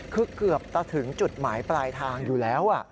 คือเกือบจะถึงจุดหมายปลายทางอยู่แล้ว